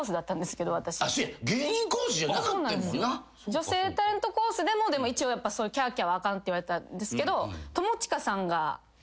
女性タレントコースでも一応やっぱキャーキャーはあかんって言われてたんですけど。